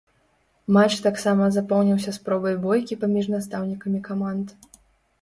Матч таксама запомніўся спробай бойкі паміж настаўнікамі каманд.